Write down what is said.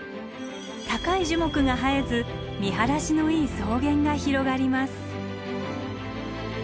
高い樹木が生えず見晴らしのいい草原が広がります。